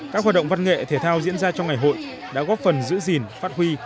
các hoạt động văn nghệ thể thao diễn ra trong ngày hội đã góp phần giữ gìn phát huy